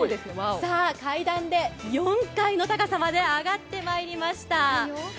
階段で４階の高さまで上がってまいりました。